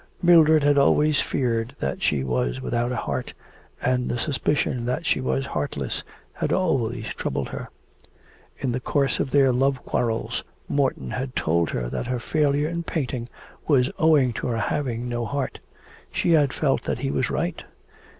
Mildred had always feared that she was without a heart, and the suspicion that she was heartless had always troubled her. In the course of their love quarrels Morton had told her that her failure in painting was owing to her having no heart. She had felt that he was right.